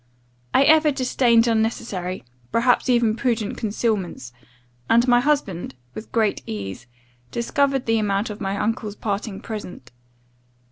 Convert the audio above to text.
I ever disdained unnecessary, perhaps even prudent concealments; and my husband, with great ease, discovered the amount of my uncle's parting present.